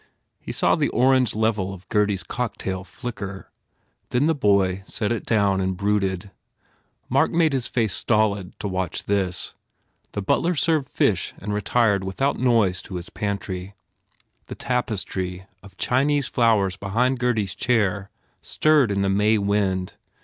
He saw the orange level of Gurdy s cocktail flicker. Then the boy set it down and brooded. Mark made his face stolid to watch this. The butler served fish and retired without 149 THE FAIR REWARDS noise to his pantry. The tapestry of Chinese flowers behind Gurdy s chair stirred in the May wind.